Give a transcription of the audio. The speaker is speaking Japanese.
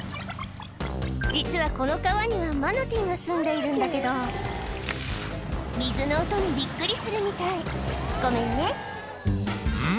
実はこの川にはマナティーがすんでいるんだけど水の音にびっくりするみたいごめんねん？